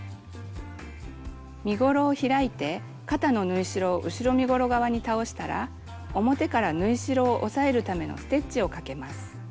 身ごろを開いて肩の縫い代を後ろ身ごろ側に倒したら表から縫い代を押さえるためのステッチをかけます。